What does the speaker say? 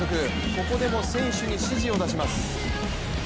ここでも選手に指示を出します。